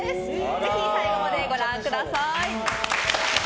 ぜひ、最後までご覧ください。